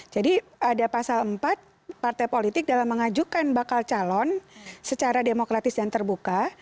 jadi ada pasal empat partai politik dalam mengajukan bakal calon secara demokratis dan terbuka